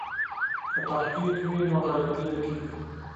که تحقیق وي نو غلطي نه کیږي.